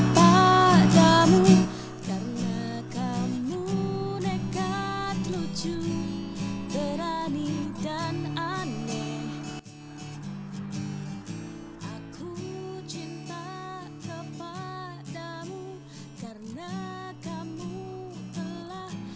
tapi kayaknya acara kejutan kita hari ini gak jadi deh